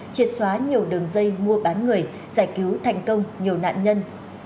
triệt xóa nhiều đường dây mua bán người giải cứu thành công nhiều nạn nhân